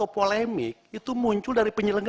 apa maksudnya nih